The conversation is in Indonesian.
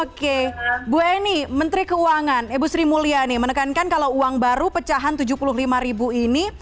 oke bu eni menteri keuangan ibu sri mulyani menekankan kalau uang baru pecahan rp tujuh puluh lima ini